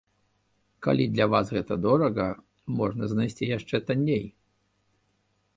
Калі для вас гэта дорага, можна знайсці яшчэ танней!